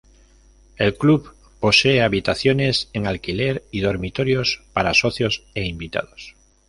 El club posee habitaciones en alquiler y dormitorios para socios e invitados.